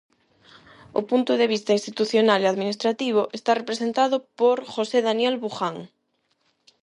O punto de vista institucional e administrativo está representado por José Daniel Buján.